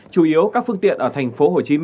chủ yếu các phương tiện ở tp hcm